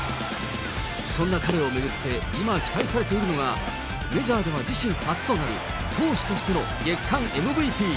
そんな彼を巡って、今、期待されているのが、メジャーでは自身初となる投手としての月間ＭＶＰ。